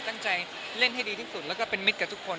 ตั้งใจเล่นให้ดีที่สุดแล้วก็เป็นมิตรกับทุกคน